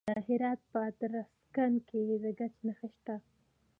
د هرات په ادرسکن کې د ګچ نښې شته.